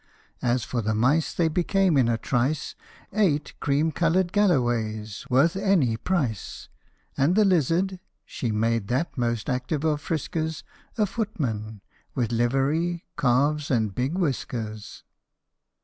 As for the mice, they became in a trice Eight cream coloured galloways, worth any price ; And the lizard she made that most active of friskers A footman ! with livery, calves, and big whiskers.